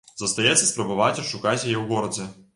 Застаецца спрабаваць адшукаць яго ў горадзе.